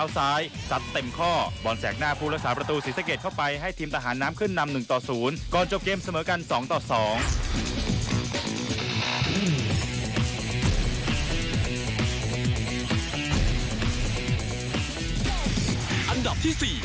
สวัสดีครับ